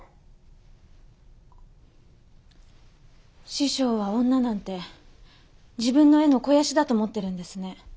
師匠は女なんて自分の絵の肥やしだと思ってるんですね。